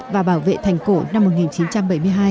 và bảo vệ thành cổ năm một nghìn chín trăm bảy mươi hai